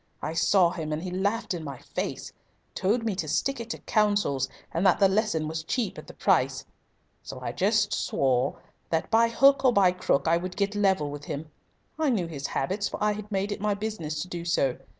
I saw him and he laughed in my face. Told me to stick to Consols, and that the lesson was cheap at the price. So I just swore that, by hook or by crook, I would get level with him. I knew his habits, for I had made it my business to do so.